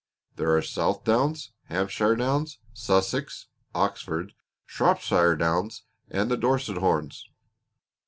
There are Southdowns, Hampshire Downs, Sussex, Oxfords, Shropshire Downs, and the Dorset Horns.